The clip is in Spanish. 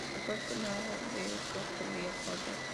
Por suerte, nada de esto ocurrirá pronto".